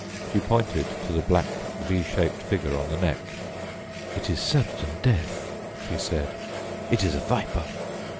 She pointed to the black V shaped figure on the neck. "It is certain death," she said; "it is a viper."